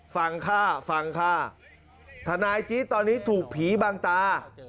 ฟังค่ะฟังค่ะทนายจี๊ดตอนนี้ถูกผีบางตา